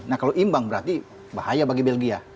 nah kalau imbang berarti bahaya bagi belgia